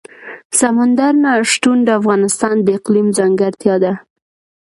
سمندر نه شتون د افغانستان د اقلیم ځانګړتیا ده.